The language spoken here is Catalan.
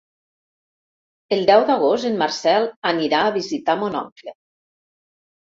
El deu d'agost en Marcel anirà a visitar mon oncle.